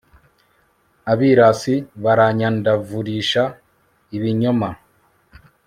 abirasi baranyandavurisha ibinyoma